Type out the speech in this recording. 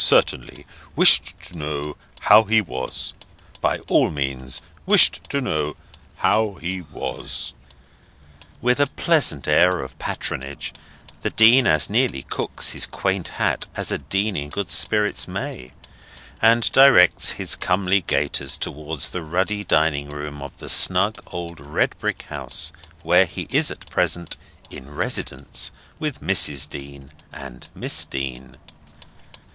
Certainly. Wished to know how he was. By all means. Wished to know how he was." With a pleasant air of patronage, the Dean as nearly cocks his quaint hat as a Dean in good spirits may, and directs his comely gaiters towards the ruddy dining room of the snug old red brick house where he is at present, "in residence" with Mrs. Dean and Miss Dean.